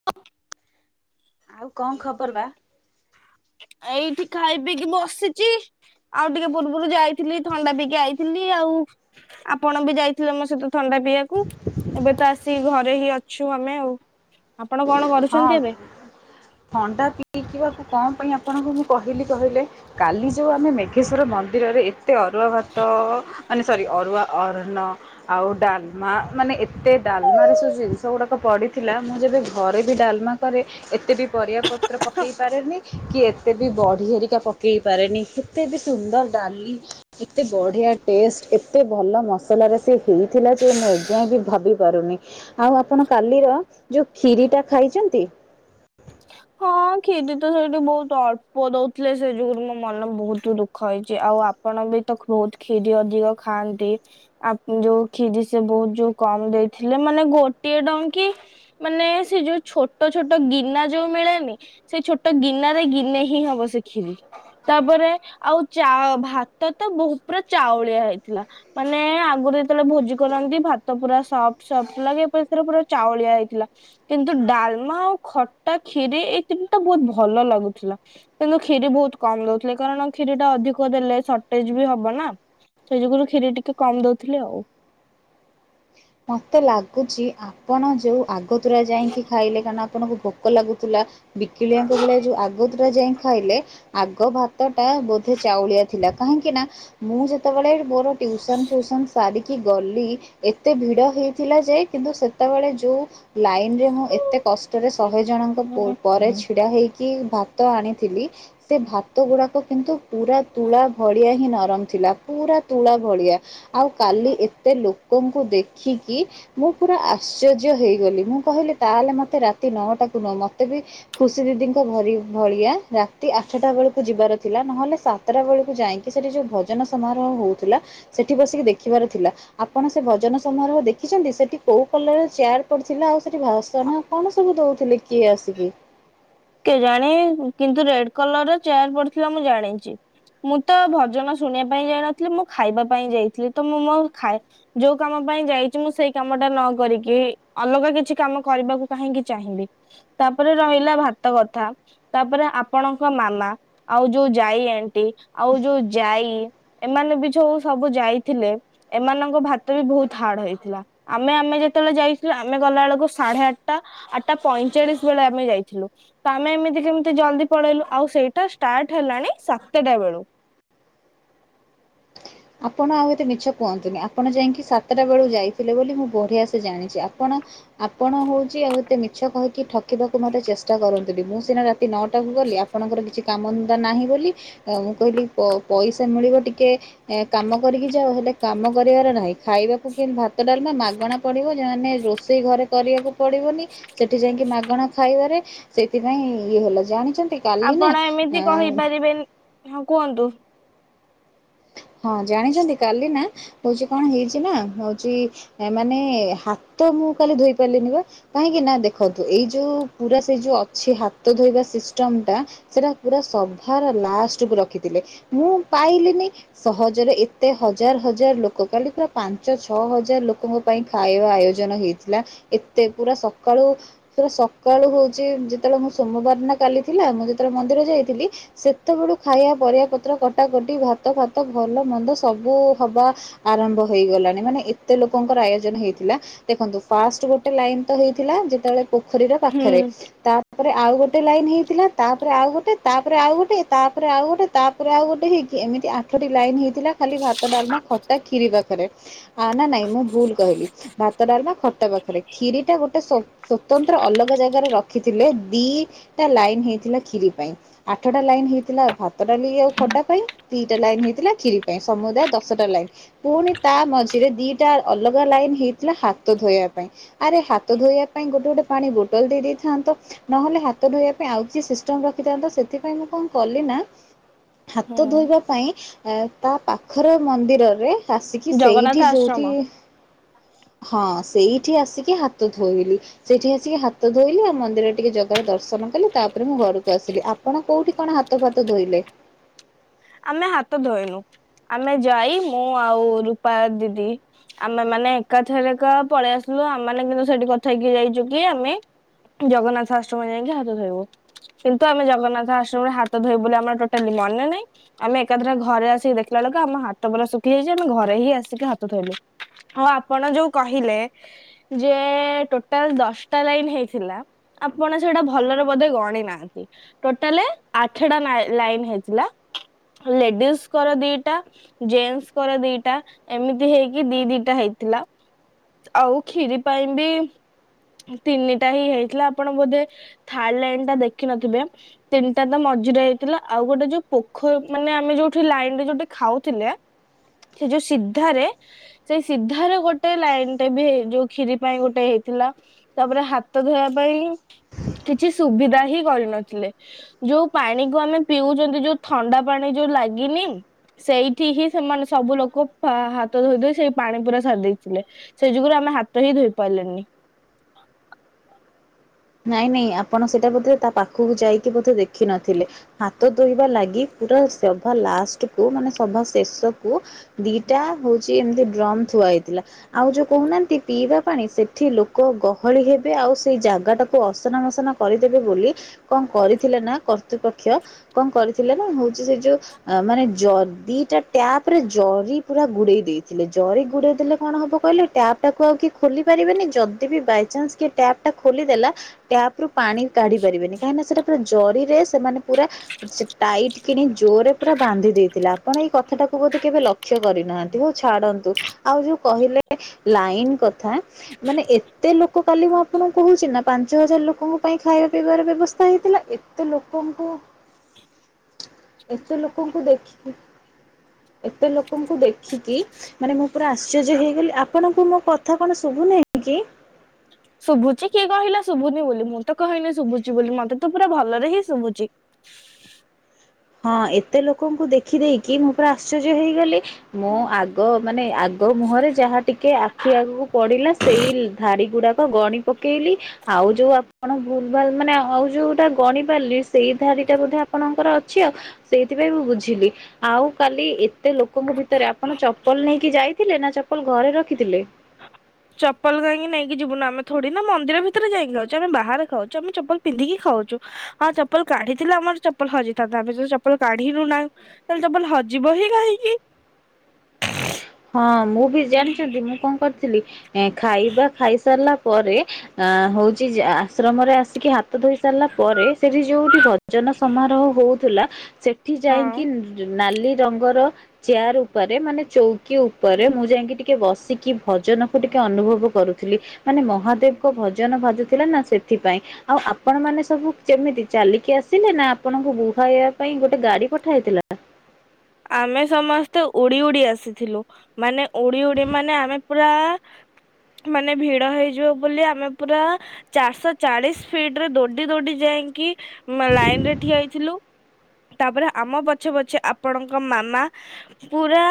[unintelligible] ଆଉ କଣ ଖବର ବା? ଏଇଠି ଖାଇ ପିଇକି ବସିଛି। ଆଉ ଟିକେ ପୂର୍ବରୁ ଯାଇଥିଲି ଥଣ୍ଡା ପିଇକି ଆଇଥିଲି ଆଉ। ଆପଣ ବି ଯାଇଥିଲେ ମୋ ସହିତ ଥଣ୍ଡା ପିଇବାକୁ। ଏବେ ତ ଆସିକି ଘରେ ହିଁ ଅଛୁ ଆମେ ଆଉ। ଆପଣ କଣ କର ହଁ ଥଣ୍ଡା ପିଇିବାକୁ କଣ ପାଇଁ ଆପଣଙ୍କୁ ମୁଁ କହିଲି କହିଲେ? କାଲି ଯୋଉ ଆମେ ମେଘେଶ୍ଵର ମନ୍ଦିରରେ ଏତେ ଅରୁଆ ଭାତ ମାନେ ସରି ଅରୁଆ ଅର୍ଣ୍ଣ ଆଉ ଡାଲମା ମାନେ ଏତେ ଡାଲମାରେ ସବୁ ଜିନିଷ ଗୁଡାକ ପଡିଥିଲା ମୁଁ ଯେବେ ଘରେ ବି ଡାଲମା କରେ ଏତେ ବି ପରିବା ପତ୍ର ପକେଇ ପାରେନି କି ଏତେ ବି ବଢି ହେରିକା ପକେଇ ପାରେନି। କେତେ ବି ସୁନ୍ଦର ଡାଲି ଏତେ ବଢ଼ିଆ ଟେଷ୍ଟ ଏତେ ଭଲ ମସଲାରେ ସେ ହେଇଥିଲା ଯେ ମୁଁ ଏଯାଏ ବି ଭାବିପାରୁନି। ଆଉ ଆପଣ କାଲିର ଯୋଉ ଖିରି ଟା ଖାଇଛନ୍ତି? ହଁ ଖିରୀ ତ ସେଇଠି ବହୁତ ଅଳ୍ପ ଦଉଥିଲେ। ସେଇ ଯୋଗୁରୁ ମୋ ମନ ବହୁତ ଦୁଃ ଖ ହେଇଛି। ଆଉ ଆପଣ ବି ତ ବହୁତ ଖିରୀ ଅଧିକ ଖାଆନ୍ତି। ଆ ଯୋଉ ଖିରୀ ସେ ବହୁତ ଯୋଉ କମ ଦେଇଥିଲେ ମାନେ ଗୋଟିଏ ଡଙ୍କି ମାନେ ସେ ଯୋଉ ଛୋଟ ଛୋଟ ଗିନା ଯୋଉ ମିଳେନି ସେଇ ଛୋଟ ଗିନାରେ ଗିନେ ହିଁ ହବ ସେ ଖିରୀ। ତାପରେ ଆଉ ଚାଉ ଭାତ ତ ବହୁତ ପୁରା ଚାଉଳିଆ ହେଇଥିଲା। ମାନେ ଆଗରୁ ଯେତେବେଳେ ଭୋଜି କରନ୍ତି ଭାତ ପୁରା ସଫ୍ଟ ସଫ୍ଟ ଲାଗେ। ଏଥୀରେ ପୁରା ଚାଉଳିଆ ହେଇଥିଲା। କିନ୍ତୁ ଡାଲମା ଆଉ ଖଟା କ୍ଷିରି ଏଇ ତିନିଟା ବହୁତ ଭଲ ଲାଗୁଥିଲା। କିନ୍ତୁ କ୍ଷିରି ବହୁତ କମ ଦଉଥିଲେ। କାରଣ କ୍ଷୀରି ଟା ଅଧିକ ଦେଲେ ସର୍ଟେଜ ବି ହବ ନା। ସେଇ ଯୋଗୁରୁ କ୍ଷୀରି ଟିକେ କମ ଦଉଥିଲେ ଆଉ। ମତେ ଲାଗୁଚି ଆପଣ ଯୋଉ ଆଗତୁରା ଯାଇକି ଖାଇଲେ କାରଣ ଆପଣଙ୍କୁ ଭୋକ ଲାଗୁଥିଲା ବିକିଳିଆଙ୍କ ଭଳିଆ ଯୋଉ ଆଗ ଭାତା ଯାଇ ଖାଇଲେ ଆଗ ଭାତଟା ବୋଧେ ଚାଉଳିଆ ଥିଲା କାହିଁକି ନା ମୁଁ ଯେତେବେଳେ ମୋର ଟ୍ୟୁସନ ଫ୍ୟୁସନ ସାରିକି ଗଲି ଏତେ ଭିଡ ହେଇଥିଲା ଯେ କିନ୍ତୁ ସେତେବେଳେ ଯୋଉ ଲାଇନ ଦିନରେ ମୁଁ ଏତେ କଷ୍ଟରେ ଶହେ ଜଣଙ୍କ ହୁଁ ପରେ ହୁଁ। ଛିଡ଼ା ହେଇକି ଭାତ ଆଣିଥିଲି ସେ ଭାତ ଗୁଡ଼ାକ କିନ୍ତୁ ପୁରା ତୁଳା ଭଳିଆ ହିଁ ନରମ ଥିଲା ପୁରା ତୁଳା ଭଳିଆ ଆଉ କାଲି ଏତେ ଲୋକଙ୍କୁ ଦେଖିକି ମୁଁ ପୁରା ଆଶ୍ଚର୍ଯ୍ୟ ହେଇଗଲି ମୁଁ କହିଲି ତାହେଲେ ମତେ ରାତି ନଅଟାକୁ ନୁହ ମତେ ବି ଖୁସି ଦିଦିଙ୍କ ଭରି ଭଳିଆ ରାତି ଆଠଟା ବେଳକୁ ଯିବାର ଥିଲା ନହଲେ ସାତ ଯତ୍ର ବେଳକୁ ଯାଇକି ସେଠି ଯୋଉ ଭଜନ ସମାରୋହ ହଉଥିଲା ସେଠି ବସିକି ଦେଖିବାର ଥିଲା ଆପଣ ସେ ଭଜନ ସମାରୋହ ଦେଖିଛନ୍ତି ସେଠି କୋଉ କଲର ଚେୟାର ପଡିଥିଲା ଆଉ ସେଠି ଭାସଣ କଣ ସବୁ ଦଉଥିଲେ କିଏ ଆସିକି? କେଜାଣି କିନ୍ତୁ ରେଡ କଲର ର ଚେୟାର ପଡିଥିଲା ମୁଁ ଜାଣିଛି। ମୁଁ ତ ଭଜନ ଶୁଣିବା ପାଇଁ ଯାଇନଥିଲି ମୁଁ ଖାଇବା ପାଇଁ ଯାଇଥିଲି ତ ମୁଁ ମୋ ଖାଇ ଯୋଉ କାମ ପାଇଁ ଯାଇଛି ମୁଁ ସେଇ କାମ ଟା ନ କରିକି ଅଲଗା କିଛି କାମ କରିବାକୁ କାହିଁକି ଚାହିଁବି। ତାପରେ ରହିଲା ଭାତ କଥା ତାପରେ ଆପଣଙ୍କ ମାମା ଆଉ ଯୋଉ ଯାଇ ଆଣ୍ଟି ଆଉ ଯୋଉ ଯାଇ ଏମାନେ ବି ଯୋଉ ସବୁ ଯାଇଥିଲେ ଏମାନଙ୍କ ଭାତ ବି ବହୁତ ହାର୍ଡ ହେଇଥିଲା। ଆମେ ଆମେ ଯେତେବେଳେ ଯାଇଥିଲେୁ ଆମେ ଗଲା ବେଳକୁ ସାଢେ ଆଠଟା ଆଠଟା ପଇଁଚାଳିଶ ବେଳେ ଆମେ ଯାଇଥିଲୁ। ତ ଆମେ ଏମିତି କେମିତି ଜଲଦି ପଳେଇଲୁ ଆଉ ସେଇଟା ଷ୍ଟାର୍ଟ ହେଲାଣି ସାତଟା ବେଳୁ। ଆପଣ ଆଉ ଏତେ ମିଛ କୁହନ୍ତୁନି ଆପଣ ଯାଇକି ସାତଟା ବେଳକୁ ଯାଇଥିଲେ ବୋଲି ମୁଁ ବଢିଆ ସେ ଜାଣିଛି ଆପଣ ଆପଣ ହଉଛି ଆଉତେ ମିଛ କହିକି ଠକ ଆଖିବାକୁ ମୋତେ ଚେଷ୍ଟା କରନ୍ତଥିଲି ମୁଁ ସିନା ରାତି ନଅଟାକୁ ଗଲି ଆପଣଙ୍କର କିଛି କାମଧନ୍ଦତା ନାହିଁ ବୋଲି ମୁଁ କହିଲି ପଇସା ମିଳିବ ଟିକେ ଏ କାମ କରିକି ଯାାଉ ହେଲେ କାମ କରିବାର ନାହିଁ ଖାଇବାକୁ କେତି ଭାତ ଡାଲମା ମାଗଣା ପଡ଼ିବ ଯେ ମମାନେ ରୋଷେଇ ଘରେ କରିବାକୁ ପଡ଼ିବନି ସେଠି ଯାଇକି ମାଗଣା ଖାଇବାରେ ସେଥିପାଇଁ ଇଏ ହେଲା ଯେ ଜଣିଛନ୍ତି ଆପଣ ଏମିତି କହିପାରିବେନି ହଁ କୁହନ୍ତୁ। ହଁ ଜାଣିଛନ୍ତି କାଲି ନା ହଉଛି କଣ ହେଇଛି ନା ହଉଛି ମାନେ ହାତ ମୁଁ କାଲି ଧୋଇ ପାରିଲିନି ବା। କାହିଁକି ନା ଦେଖନ୍ତୁ ଏଇ ଯୋଉ ପୁରା ସେଇ ଯୋଉ ଅଛି ହାତ ଧୋଇବା ସିଷ୍ଟମ ଟା ସେଟା ପୁରା ସଭାର ଲାଷ୍ଟ କୁ ରଖିଥିଲେ ମୁଁ ପାଇଲିି ସହଜରେ ଏତେ ହଜାର ହଜାର ଲୋକ କାଲି ପୁରା ପାଞ୍ଚ ଛଅ ହଜାର ଲୋକ ପାଇଁ ଖାଇବା ଆୟୋଜନ ହେଇଥିଲା ଏତେ ପୁରା ସକାଳୁ ସେଟା ସକାଳୁ ହଉଛି ଯେତେବେଳେ ମୁଁ ସୋମବାର ନା କାଲି ଥିଲା ମୁଁ ଯେତେବେଳେ ମନ୍ଦିର ଯାଇଥିଲି ସେତେବେଳୁ ଖାଇବା ପରିବା ପତ୍ର କଟାକଟି ଭାତ ଫାତ ଭଲ ମନ୍ଦ ସବୁ ହବା ଆରମ୍ଭ ହେଇଗଲାଣି ମାନେ ଏତେ ଲୋକଙ୍କର ଆୟୋଜନ ହେଇଥିଲା ଦେଖନ୍ତୁ ଫାଷ୍ଟ ଗୋଟେ ଲାଇନ ତ ହେଇଥିଲା ଯେତେବେଳେ ପୋଖରୀର ହୁଁ। ପାଖରେ ତାପରେ ଆଉ ଗୋଟେ ଲାଇନ ହେଇଥିଲା ତାପରେ ଆଉ ଗୋଟେ ତାପରେ ଆଉ ଗୋଟେ ତାପରେ ଆଉ ଗୋଟେ ତାପରେ ଆଉ ଗୋଟେ ହେଇକି ଏମିତି ଆଠଟି ଲାଇନ୍ ହେଇଥିଲା ଖାଲି ଭାତ ଡାଲମା ଖଟା କ୍ଷୀରି ପାଖରେ ଆ ନା ନାଇଁ ମୁଁ ଭୁଲ କହିଲି ଭାତ ଡାଲ ବା ଖଟ ପାଖରେ ଖ୍ିୀରି ଟା ଗୋଟେ ସ୍ଵତନ୍ତ୍ର ଅଲଗା ଜାଗାରେ ରଖିଥିଲେ ଦିଟା ଲାଇନ ହେଇଥିଲା କ୍ଷିରି ପାଇଁ ଆଠଟା ଲାଇନ ହେଇଥିଲା ଭାତଟଡାଲି ଆଉ ଖଟା ପାଇଁ ଟା ଲାଇନ୍ ହେଇଥିଲା କ୍ିରିୀ ପାଇଁ ସମୁଦାୟ ଦଶଟା ଲାଇନ୍ ପୁଣି ତା ମଝିରେ ଦିଟା ଅଲଗା ଲାଇନ ହେଇଥିଲା ହାତ ଧୋଇବା ପାଇଁ ଆରେ ହାତ ଧୋଇବା ପାଇଁ ଗୋଟେ ଗୋଟେ ପାଣି ବୋଟଲ ଦେଇଥାନ୍ତ। ନହେଲେ ହାତ ଧୋଇବା ପାଇଁ ଆଉ କି ସିଷ୍ଟମ ରଖିଥାନ୍ତତା ସେଥିପାଇଁ ମୁଁ କଆଁ କଲି ନା ହାତ ହୁଁ। ଧୋଇବା ପାଇଁ ତା ପାଖର ମନ୍ଦିରରେ ଆସିକି ଜଗନ୍ନାଥ ସେଇଠି ଆଶ୍ରମ ଯୋଉଠି ହଁ ସେଇଠି ଆସିକି ହାତ ଧୋଇଲି। ସେଇଠି ଆସିକି ହାତ ଧୋଇଲି ଆଉ ମନ୍ଦିରରେ ଟିକେ ଜଗାର ଦର୍ଶନ କଲି ତାପରେ ମୁଁ ଘରକୁ ଆସିଲି ଆପ ପଣ କୋଉଠି କଣ ହାତ ଫାତ ଧୋଇଲେ? ଆମେ ହାତ ଧୋଇନୁ ଆମେ ଜାଇ ମୁଁ ଆଉ ରୂପା ଦିଦି ଆମେମାନେ ଏକାଥରେକା ପଳେଇ ଆସିଲୁ ଆମ ମାନେ କିନ୍ତୁ ସେଠି କଥା ହେଇକି ଯାଇଚୁ କି ଆମେ ଜଗନ୍ନାଥ ଆଶ୍ରମ ଯାଇଁକି ହାତ ଧୋଇବୁ। କିନ୍ତୁ ଆମେ ଜଗନ୍ନାଥ ଆଶ୍ରମରେ ହାତ ଧୋଇ ବୋଲି ଆମର ଟୋଟାଲି ମନେ ନାଇଁ ଆମେ ଏକାଥରେ ଘରେ ଆସିକି ଦେଖିଲାବେଳକୁ ଆମ ହାତ ପୁରା ଶୁଖିଯାଇଛି ଆମେ ଘରେ ହିଁ ଆସିକି ହାତ ଧୋଇଲୁ। ହଁ ଆପଣ ଯୋଉ କହିଲେ ଯେ ଟୋଟାଲ ଦଶଟା ଲାଇନ ହେଇଥିଲା ଆପଣ ସେଇଟା ଭଲରେ ବୋଧେ ଗଣି ନାହାନ୍ତି ଟୋଟାଲେ ଆଠଟା ନା ଲାଇନ ହେଇଥିଲା। ଲେଡିଜଙ୍କର ଦିଟା ଜେନ୍ସଙ୍କର ଦିଟା ଏମିତି ହେଇକି ଦି ଦିଟା ହେଇଥିଲା। ଆଉ କ୍ଷୀରି ପାଇଁ ବି ତିନିଟା ହି ହେଇଥିଲା ଆପଣ ବୋଧେ ଥାର୍ଡ ଲାଇନ୍ ଟା ଦେଖିିନଥିବେ ତିନିଟା ତ ମଝିରେ ହେଇଥିଲା ଆଉ ଗୋଟେ ଯୋଉ ପୋଖ ମାନେ ଆମେ ଯୋଉଠି ଲାଇନରେ ଯୋଉଠି ଖାଉଥିଲେ ସେ ଯୋଉ ସିଧାରେ ସେଇ ସିଧାରେ ଗୋଟେ ଲାଇନଟେ ବି ହେଇ ଯୋଉ କ୍ଷିରି ପାଇଁ ଗୋଟେ ହେଇଥିଲା। ତାପରେ ହାତ ଧୋଇବା ପାଇଁ କିଛି ସୁବିଧା ହିଁ କରିନଥିଲେ ଯୋଉ ପାଣିକୁ ଆମେ ପିଉଚନ୍ତି ଯୋଉ ଥଣ୍ଡା ପାଣି ଯୋଉ ଲାଗିନି! ସେଇଠି ହି ସେମାନେ ସବୁ ଲୋକ ପା ହାତ ଧୋଇ ଧୋଇ ସେଇ ପାଣି ପୁରା ସାରି ଦେଇଥିଲେ। ସେଇ ଯୋଗୁରୁ ଆମେ ହାତ ହିଁ ଧୋଇ ପାରିଲେନି ନାଇଁ ନାଇଁ ଆପଣ ସେଇଟା ବୋଧେ ତା ପାଖକୁ ଯାଇକି ବୋଧେ ଦେଖିିନଥିଲେ। ହାତ ଧୋଇବା ଲାଗି ପୁରା ସଭା ଲାଷ୍ଟକୁ ମାନେ ସଭା ଶେଷକୁ ଦିଟା ହଉଛି ଏମିତି ଡ୍ରମ ଥୁଆ ହେଇଥିଲା ଆଉ ଯୋଉ କହୁନାହାନ୍ତି ପିଇବା ପାଣି ସେଠି ଲୋକ ଗହଳି ହେବେ ଆଉ ସେଇ ଜାଗାଟା କୁ ଅସନା ମସନା କରିଦେବେ ବୋଲି କଣ କରିଥିଲେ ନା କର୍ତ୍ତୃପକ୍ଷ କଣ କରିଥିଲେ ନା ହଉଛି ସେ ଯୋଉ ଅ ମାନେ ଜ ଦିଟା ଟ୍ୟାପରେ ଜରି ପୁରା ଗୁଡେଇ ଦେଇଥିଲେ ଜରି ଗୁଡେଇ ଦେଲେ କଣ ହବ କହିଲେ? ଟ୍ୟାପଟା କୁ ଆଉ କିଏ ଖୋଲି ପାରିବେନି ଯଦି ବି ବାଇଚାନ୍ସ କିଏ ଟ୍ୟାପ ଟା ଖୋଲିଦେଲା ଟ୍ୟାପ ରୁ ପାଣି କାଢି ପାରିବେନି କାହିଁକିନା ସେଇଟା ପୁରା ଜରିରେ ସେମାନେ ପୁରା ସେ ଟାଇଟ୍ କିଣି ଜୋରରେ ପୁରା ବାନ୍ଧି ଦେଇଥିଲା ଆପଣ ଏଇ କଥାଟ ଟାକୁ ବୋଧେ କେବେ ଲକ୍ କ୍ଷ୍ୟ କରିନାହାନ୍ତି ହଉ ଛାଡନ୍ତୁ ଆଉ ଯୋଉ କହିଲେ ଲାଇନ କଥା ମାନେ ଏତେ ଲୋକ କାଲି ମୁଁ ଆପଣଙ୍କୁ କହୁଛି ନା ପାଞ୍ଚ ହଜାର ଲୋକଙ୍କ ପାଇଁ ଖାଇବା ପିଇବାର ବ୍ୟବସ୍ଥା ହେଇଥିଲା ଏତେ ଲୋକଙ୍କୁ ଏତେ ଲୋକଙ୍କୁ ଦେଖିକି ଏତେ ଲୋକଙ୍କୁ ଦେଖିକି ମାନେ ମୁଁ ପୁରା ଆଶ୍ଚର୍ଯ୍ୟ ହେଇଗଲି। ଆପଣଙ୍କୁ ମୋ କଥା କଣ ଶୁଭୁନାହିଁ କି? ଶୁଭୁଛି କିଏ କହିଲା ଶୁଭୁନି ବୋଲି ମୁଁ ତ କହିନି ଶୁଭୁଛି ବୋଲି ମତେ ତ ପୁରା ଭଲରେ ହିଁ ଶୁଭୁଛି। ହଁ ଏତେ ଲୋକଙ୍କୁ ଦେଖିଦେଇକି ମୁଁ ପୁରା ଆଶ୍ଚର୍ଯ୍ୟ ହେଇଗଲି ମୁଁ ଆଗ ମାନେ ଆଗ ମୁହଁରେ ଯାହା ଟିକେ ଆଖି ଆଗକୁ ପଡିଲା ସେଇ ଧାଡ଼ି ଗୁଡ଼ାକ ଗଣି ପକେଇଲି ଆଉ ଯୋଉ ଆପଣ ଭୁଲ ଭାଲ ମାନେ ଆଉ ଯୋଉଟା ଗଣି ପାରିଲେ ସେଇ ଧାଡିଟା ବୋଧେ ଆପଣଙ୍କର ଛି ଆଉ ସେଇଥିପାଇଁ ମୁଁ ବୁଝିଲି। ଆଉ କାଲି ଏତେ ଲୋକଙ୍କ ଭିତରେ ଆପଣ ଚପଲ ନେଇକି ଯାଇଥିଲେ ନା ଚପଲ ଘରେ ରଖିଥିଲେ? ଚପଲ କାଇଁକି ନେଇକି ଯିବୁନୁ ଆମେ ଥୋଡି ନା ମନ୍ଦିର ଭିତରେ ଯାଇକି ଖାଉଚୁ ଆମେ ବାହାରେ ଖାଉଛୁ ଆମେ ଚପଲ ପିନ୍ଧିକି ଖାଉଛୁ। ହଁ ଚପଲ କାଢିଥିଲେ ଆମର ଚପଲ ହଜିଥାନ୍ତା ଆମେ ତ ଚପଲ କାଢିନୁ ନାଁ ତାହେଲେ ଚପଲ ହଜିବ ହିଁ କାହିଁକି? ହଁ ମୁଁ ବି ଜାଣିଛନ୍ତି ମୁଁ କଣ କରିଥିଲି ଏ ଖାଇବା ଖାଇସାରିଲା ପରେ ଆ ହଉଛି ଯେ ଆଶ୍ରମରେ ଆସିକି ହାତ ଧୋଇ ସାରିଲା ପରେ ସେଠି ଯୋଉଠି ଭ ଜନ ସମାରୋହ ହଉଥିଲା ସେ ଠି ଯାଇଁକି ହଁ। ନାଲି ରଙ୍ଗର ଚେୟାର ଉପରେ ମାନେ ଚୌକି ଉପ ପରେ ମୁଁ ଯାଇଁକି ଟିକେ ବସିକି ଭଜନକୁ ଟିକେ ଅନୁଭବ କରୁଥିଲି। ମାନେ ମହାଦେବଙ୍କ ଭଜନ ଭାଜୁଥିଲା ନା ସେଥିପାଇଁ। ଆଉ ଆପଣ ମାନେ ସବୁ କେମିତି ଚାଲିକି ଆସିଲେ ନା ଆପଣଙ୍କୁ ବୁହାଇବା ପାଇଁ ଗୋଟେ ଗାଡ଼ି ପଠା ହେଇଥିଲା। ଆମେ ସମସ୍ତେ ଉଡ଼ି ଉଡ଼ି ଆସିଥିଲୁ ମାନେ ଉଡ଼ି ଉଡ଼ି ମାନେ ଆମେ ପୁରା ମାନେ ଭିଡ଼ ହେଇଯିବ ବୋଲି ଆମେ ପୁରା ଚାରିଶହ ଚାଳିଶ ଫିଟ ରେ ଦୌଡି ଦୌଡି ଯାଇକି ମା ଲାଇନ ରେ ଠିଆ ହେଇଥିଲୁ ତାପରେ ଆମ ପଛେ ପଛେ ଆ ପଣଙ୍କ ମାମା ପୁରା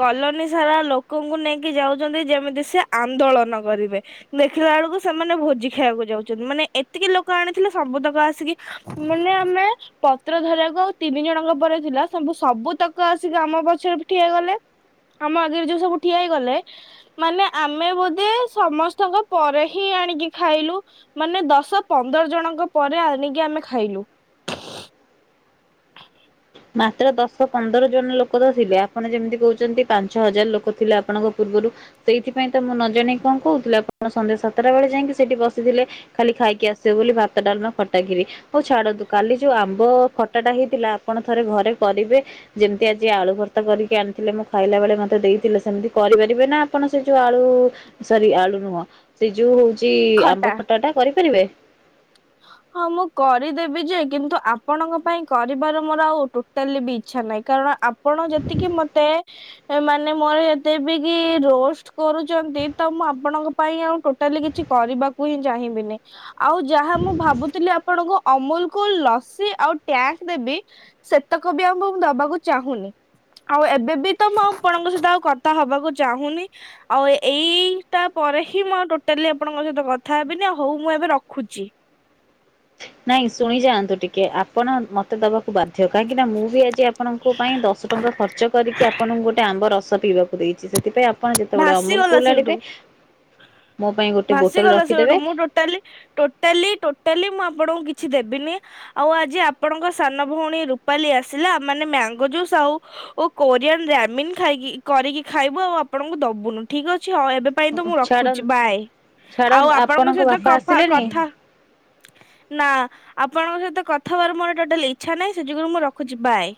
କଲୋନୀ ସାରା ଲୋକଙ୍କୁ ନେଇକି ଯାଉଛନ୍ତି ଯେମିତି ସେ ଆନ୍ଦୋଳନ କରିବେ। ଦେଖିଲା ବେଳକୁ ସେମାନେ ଭୋଜି ଖାଇବାକୁ ଯାଉଛନ୍ତି ମାନେ ଏତିକି ଲୋକ ଆଣିଥିଲେ ସବୁତକ ଆସିକି ମାନେ ଆମେ ପତ୍ର ଧରିବାକୁ ଆଉ ତିନି ଜଣଙ୍କ ପରେ ଥିଲା। ସବୁ ସବୁ ତକ ଆସିକି ଆମ ପଛରେ ଠିଆ ହେଇଗଲେ ଆମ ଆଗରେ ଯୋଉ ସବୁ ଠିଆ ହେଇଗଲେ ମାନେ ଆମେ ବୋଧେ ସମସ୍ତଙ୍କ ପରେ ହିଁ ଆଣିକି ଖାଇଲୁ। ମାନେ ଦଶ ପନ୍ଦର ଜଣଙ୍କ ପରେ ଆଣିକି ଆମେ ଖାଇଲୁ। ମାତ୍ର ଦଶ ପନ୍ଦର ଜଣ ଲୋକ ତ ଥିଲେ ଆପଣ ଯେମିତି କହୁଛନ୍ତି ପାଞ୍ଚ ହଜାର ଲୋକ ଥିଲେ ଆପଣଙ୍କ ପୂର୍ବରୁ। ସେଇଥିପାଇଁ ତ ମୁଁ ନ ଜଣେଇ କଣ କହୁଥିଲେ ଆପଣ ସନ୍ଧ୍ୟା ସାତଟା ବେଳେ ଯାଇକି ସେଠି ବସିଥିଲେ। ଖାଲି ଖାଇକି ଆସିବେ ବୋଲି ଭାତ ଡାଲମା ଖଟା ଖିରି। ହୋଉ ଛାଡ଼ନ୍ତୁ କାଲି ଯୋଉ ଆମ୍ବ ଖଟା ଟା ହେଇଥିଲା ଆପଣ ଥରେ ଘରେ କରିବେ ଯେମିତି ଆଜି ଆଳୁ ଭର୍ତ୍ତା କରିକି ଆଣିଥିଲେ ମୁଁ ଖାଇଲା ବେଳେ ମତେ ଦେଇଥିଲେ ସେମିତି କରିପାରିବେ ନା ଆପଣ ସେ ଯୋଉ ଆଳୁ ସରି ଆଳୁ ନୁହଁ ସେ ଯୋଉ ହଉଛି ଆମ୍ବ ଖଟା ଟା କରିପାରିବେ? ହଁ ମୁଁ କରିଦେବି ଯେ କିନ୍ତୁ ଆପଣଙ୍କ ପାଇଁ କରିବାର ମୋର ଆଉ ଟୋ ଟାଲେ ବି ଇଚ୍ଛା ନାହିଁ କାରଣ ଆପଣ ଯେତିକି ମତେ ଏ ମାନେ ମୋର ଏତେ ବି କି ରୋଷ୍ଟ କରୁଛନ୍ତି ତ ମୁଁ ଆପଣଙ୍କ ପାଇଁ ଆଉ ଟୋ ଟାଲି କିଛି କରିବାକୁ ହିଁ ଚାହିଁବିନି ଆଉ ଯାହା ମୁଁ ଭାବୁଥିଲି ଆପଣଙ୍କୁ ଅମୁଲ୍ କୁଲ୍ ଲସି ଆଉ ଟ୍ୟାସ୍ ଦେବି ସେତକ ବି ମୁଁ ଦବାକୁ ଚାହୁଁନି। ଆଉ ଏବେ ବି ତ ମୁଁ ଆପଣଙ୍କ ସହିତ ଆଉ କଥା ହବାକୁ ଚାହୁଁନି। ଆଉ ଏଇଟା ପରେ ହିଁ ମୁଁ ଆଉ ଟୋଟାଲି ଆପଣଙ୍କ ସହିତ କଥା ହେବିନି ଆଉ ହଉ ମୁଁ ଏବେ ରଖୁଛି। ନାଇଁ ଶୁଣି ଯାଆନ୍ତୁ ଟିକେ ଆ ପଣ ମତେ ଦବାକୁ ବାଧ୍ୟ କାହିଁକି ନା ମୁଁ ବି ଆଜି ଆପଣଙ୍କ ପାଇଁ ଦଶ ଟଙ୍କା ଖର୍ଚ୍ଚ କରି କି ଆପଣଙ୍କୁ ଗୋଟେ ଆମ୍ବ ରସ ପିଇବାକୁ ଦେଇଛି ସେଥିପାଇଁ ଆପଣ ଯେତେବେଳେ ଅମୁଲ୍ ଭାସିଗଲା କୁ୍ଲ୍ ସେଇଠୁ ଆଣିବେ ମୋ ପାଇଁ ଗୋଟେ ବୋଟଲ ରଖିଦେବେ। ଟାଲୀ ଟୋଟାଲୀ ମୁଁ ଆପଣଙ୍କୁ କିଛି ଦେବିନି। ଆଉ ଆଜି ଆପଣଙ୍କ ସାନ ଭଉଣୀ ରୁପାଲି ଆସିଲା ମାନେ ମ୍ୟାଙ୍ଗୋ ଜୁସ୍ ଆଉ ଓ କୋରିଆନ ରାମିିନ ଖାଇକି କରିକି ଖାଇବୁ ଆଉ ଆପଣଙ୍କୁ ଦବୁନୁ ଠିକ୍ ଅଛି ଅ ଏବେ ପାଇଁ ତ ମୁଁ ଛାଡ ରଖୁଛି ବାଏ ଛାଡ ଆଉ ଆପଣଙ୍କ ସହିତ ବାପା କଫା ଆସିଲେଣି? କଥା ନା ଆପଣଙ୍କ ସହିତ କଥା ହବାର ମୋର ଟୋଟାଲ ଇଚ୍ଛା ନାହିଁ ସେ ଯୋଗୁରୁ ମୁଁ ରଖୁଛି ବାଏ।